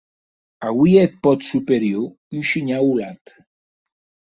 Auie eth pòt superior un shinhau holat.